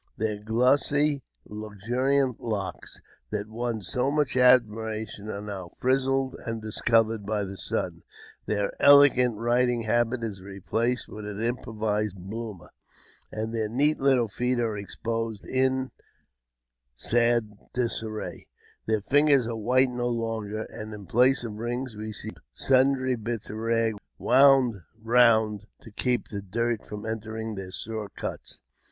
Their glossy, luxuriant locks, that won so much admiration, ^e now frizzled and discoloured by the sun ; their elegant riding habit is replaced with an improvised Bloomer, and their neat little feet are exposed in sad disarray ; thei ; fingers are white no longer, and in place of rings we see sundry bits of rag wound round, to keep the dirt from entering their sore cuts.